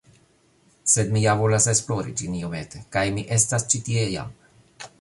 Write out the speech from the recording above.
sed mi ja volas esplori ĝin iomete, kaj mi estas ĉi tie jam.